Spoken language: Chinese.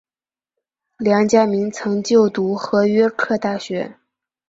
梁嘉铭曾就读和约克大学。